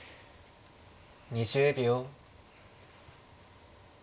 ２０秒。